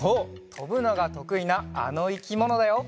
とぶのがとくいなあのいきものだよ！